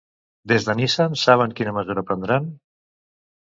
Des de Nissan, saben quina mesura prendran?